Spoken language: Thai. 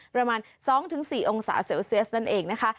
ประมาณ๒๔องศาเซลเซียสนั่นเองนะคะ